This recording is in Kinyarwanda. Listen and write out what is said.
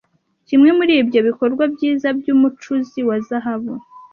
kimwe muri ibyo bikorwa byiza byumucuzi wa zahabu